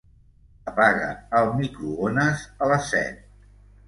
Apaga el microones a les set.